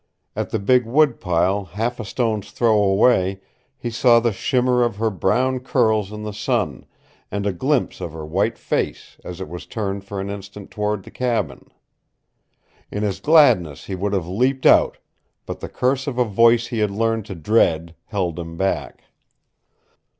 At the big wood pile half a stone's throw away he saw the shimmer of her brown curls in the sun, and a glimpse of her white face as it was turned for an instant toward the cabin. In his gladness he would have leaped out, but the curse of a voice he had learned to dread held him back.